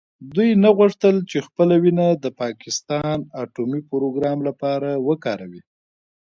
دوی نه غوښتل چې خپله وینه د پاکستان اټومي پروګرام لپاره وکاروي.